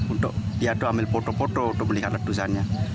untuk dia ambil foto foto untuk melihat ledusannya